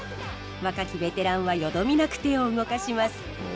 若きベテランはよどみなく手を動かします。